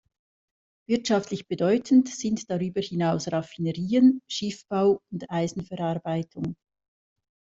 Wirtschaftlich bedeutend sind darüber hinaus Raffinerien, Schiffbau und Eisenverarbeitung.